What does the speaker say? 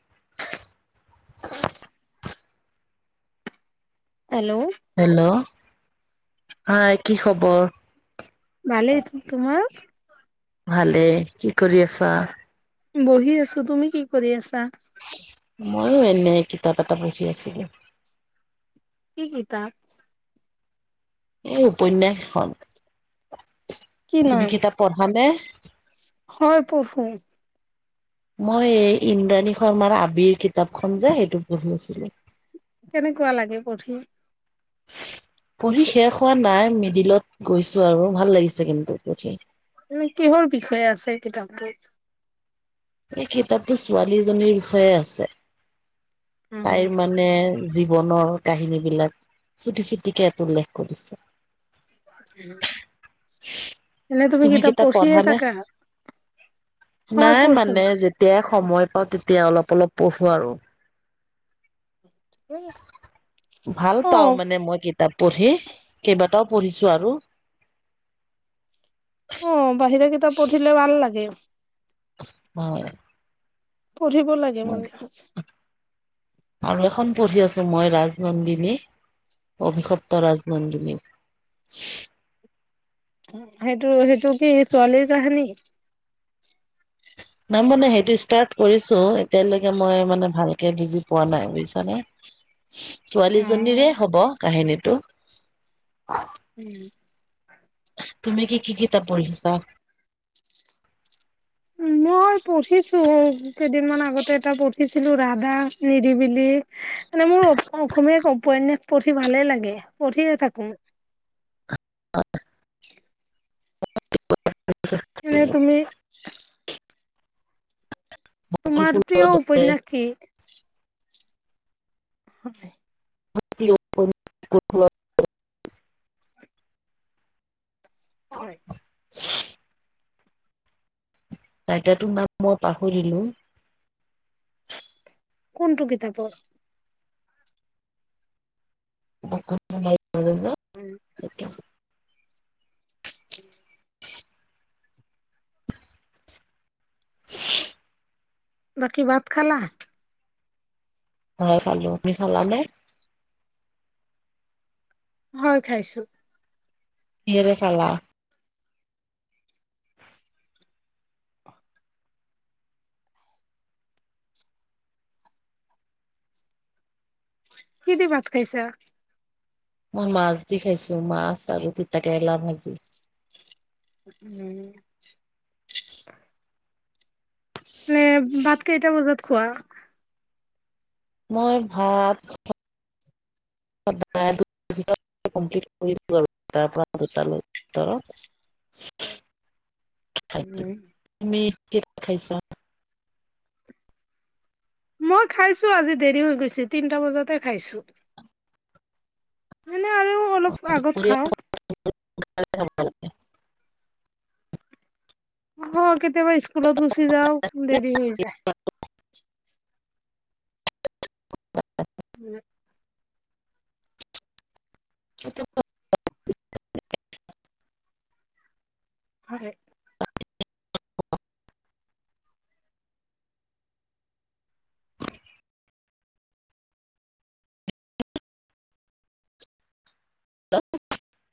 [inaudible] Hello hello হয় কি খবৰ? ভালে তোমাৰ? ভালে কি কৰি আছা? বহি আছো তুমি কি কৰি আছা? ময়ো এনে কিতাপ এটা পঢ়ি আছিলো। কি কিতাপ? এই উপন্যাসখন। কি তুমি নাম কিতাপ পঢ়া নে? হয় পঢ়ো। মই এই ইন্দ্ৰাণী শৰ্মাৰ আবিৰ কিতাপখন যে সেইটো পঢ়িছিলোঁ। কেনেকুৱা লাগে পঢ়ি? [inaudible] পঢ়ি শেষ হোৱা নাই মিডিলত গৈছো আৰু ভাল লাগিছে কিন্তু পঢ়ি। মানে কিহৰ বিষয়ে আছে কিতাপটোৰ? এই কিতাপটো ছোৱালীজনীৰ বিষয়ে আছে, উম, তাইৰ মানে জীৱনৰ কাহিনী বিলাক, চুটি চুটিকে উল্লেখ কৰিছে। [inaudible] এনে তুমি কিতাপ পঢ়িয়ে পঢ়ানে? থাকা হয় নাই মানে পঢ়ো যেতিয়াই সময় পাওঁ তেতিয়া অলপ অলপ পঢ়ো আৰু। ভাল অ পাও মানে মই কিতাপ পঢ়ি কিবা এটাও পঢ়িছো আৰু অ বাহিৰে কিতাপ পঢ়িলে ভাল লাগে হয় পঢ়িব লাগে মই আৰু এখন পঢ়ি আছো মই ৰাজনন্দিনী অভিসপ্ত ৰাজনন্দিনী সেইটো সেইটো কি ছোৱালীৰ কাহিনী? [inaudible] নাই মানে সেইটো ষ্টাৰ্ট কৰিছো এতিয়ালৈকে মই মানে ভালকে বুজি পোৱা নাই, বুজিছানে? অ ছোৱালীজনীৰে হব কাহিনীটো। [inaudible] তুমি কি কি কিতাপ পঢ়িছা? মই পঢ়িছো। কেইদিনমান আগতে এটা পঢ়িছিলো ৰাধা নিৰিবিলি মানে মোৰ অসমীয়া উপন্যাস পঢ়ি ভালে লাগে পঢ়িয়ে থাকো এনে তুমি সপোন তোমাৰ ফুলৰ প্ৰিয় দৰে উপন্যাস কি হয় [unintelligible] হয় [inaudible] ৰাইতাৰটোৰ নাম মই পাহৰিলো কোনটো কিতাপ [unintelligible] [inaudible] বাকী ভাত খালা ভাত খালো আপুনি খালানে হয় খাইছো কিহেৰে খালা কিদি ভাত খাইছা মই মাছ দি খাইছো মাছ আৰু তিতা কেৰেলা ভাজি উম [inaudible] মানে ভাত কেইটা বজাত খোৱা মই ভাত দুটৈ ভৰত খ তুমি কে খাইছা মই খাইছোঁ আজি দেৰি হৈ গৈছে তিনিটা বজাতে খাইছোঁ [inaudible] মানে আৰু অলপ আগত দুপৰীয়া খাওঁ [unintelligible] আহ কেতিয়াবা স্কুলত গুচি যাও দেৰি হৈ যায় [unintelligible] উম [unintelligible] হয় অ [unintelligible]